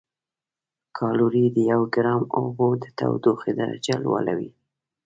کالوري د یو ګرام اوبو د تودوخې درجه لوړوي.